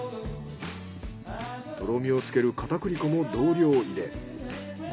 とろみをつける片栗粉も同量入れ